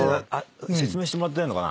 説明してもらってないのかな？